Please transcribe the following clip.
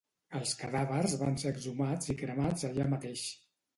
Els cadàvers van ser exhumats i cremats allà mateix.